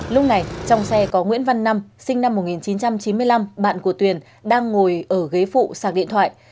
lúc này trong xe có nguyễn văn năm sinh năm một nghìn chín trăm chín mươi năm bạn của tuyền đang ngồi ở ghế phụ sạc điện thoại